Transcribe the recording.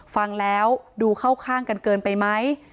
ฟังแล้วดูเข้าข้างกันเกินไปไหม